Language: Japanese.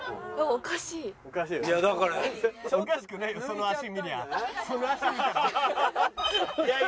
おかしい。